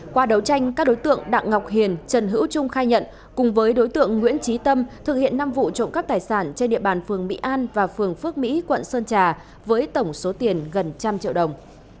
qua đấu tranh các đối tượng đặng ngọc hiền trần hữu trung khai nhận cùng với đối tượng nguyễn trí tâm thực hiện năm vụ trộm cắp tài sản trên địa bàn phường mỹ an và phường phước mỹ quận sơn trà với tổng số tiền gần trăm triệu đồng